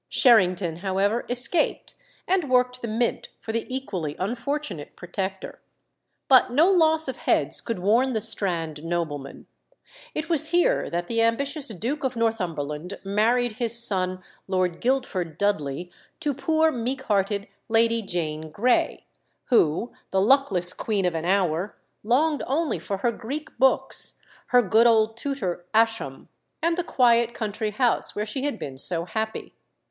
Sherrington, however, escaped, and worked the mint for the equally unfortunate Protector. But no loss of heads could warn the Strand noblemen. It was here that the ambitious Duke of Northumberland married his son, Lord Guildford Dudley, to poor meek hearted Lady Jane Grey, who, the luckless queen of an hour, longed only for her Greek books, her good old tutor Ascham, and the quiet country house where she had been so happy.